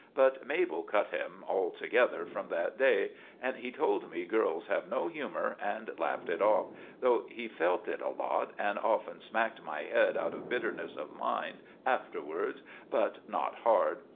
But Mabel cut him altogether from that day; and he told me girls have no humer and laughed it off, though he felt it a lot, and often smacked my head out of bitterness of mind afterwards, but not hard.